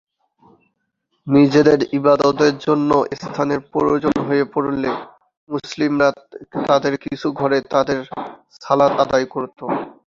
নিজেদের ইবাদতের জন্য স্থানের প্রয়োজন হয়ে পড়লে, মুসলিমরা তাদের কিছু ঘরে তাদের সালাত আদায় করত।